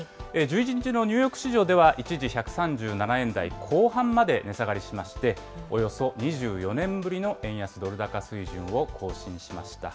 １１日のニューヨーク市場では、一時１３７円台後半まで値下がりしまして、およそ２４年ぶりの円安ドル高水準を更新しました。